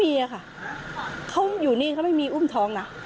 มีอะค่ะเขาอยู่นี่เขาไม่มีอุ้มท้องนะ